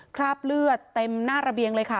คราบเลือดเต็มหน้าระเบียงเลยค่ะ